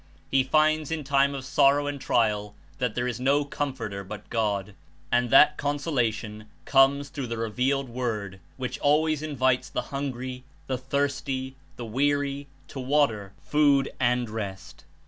He finds in time of sorrow and trial that there is no comforter but God and that consolation comes through the revealed Word which always invites the hungry, the thirsty, the weary, to water, food and rest.